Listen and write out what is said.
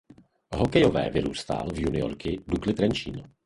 Hokejové vyrůstal v juniorky Dukly Trenčín.